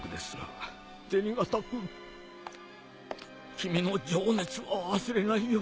君の情熱は忘れないよ。